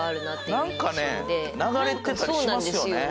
なんかね流れてたりしますよね。